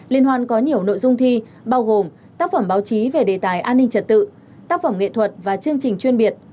liên hoan có nhiều nội dung thi bao gồm tác phẩm báo chí về đề tài an ninh trật tự tác phẩm nghệ thuật và chương trình chuyên biệt